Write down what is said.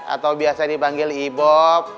atau biasa dipanggil ibob